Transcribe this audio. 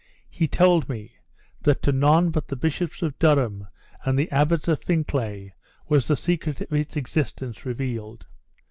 He told me, that to none but the bishops of Durham and the abbots of Fincklay was the secret of its existence revealed.